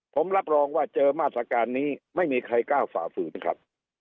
ผมรับรองว่าเจอมาตรการนี้ไม่มีใครกล้าฝ่าฝืนครับ